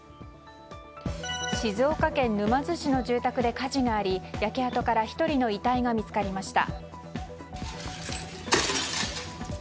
静岡県沼津市の住宅で火事があり焼け跡から１人の遺体が見つかりました。